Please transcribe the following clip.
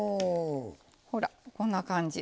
ほらこんな感じ。